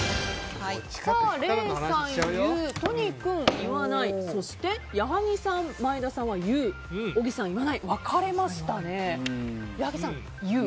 礼さん、言う都仁君、言わないそして、矢作さん前田さんは言う小木さん、言わない分かれましたね。